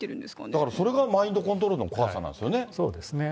だからそれがマインドコントロールの怖さなんですよね。